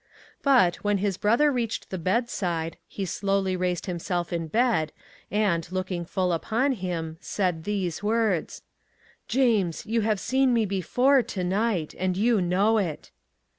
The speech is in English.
But, when his brother reached the bed side, he slowly raised himself in bed, and looking full upon him, said these words: 'JAMES, YOU HAVE SEEN ME BEFORE, TO NIGHT—AND YOU KNOW IT!